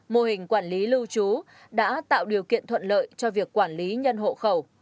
mô hình quản lý lưu trú đã tạo điều kiện thuận lợi cho việc quản lý nhân hộ khẩu